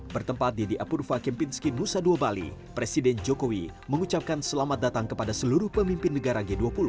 bertempat di di apurva kempinski nusa dua bali presiden jokowi mengucapkan selamat datang kepada seluruh pemimpin negara g dua puluh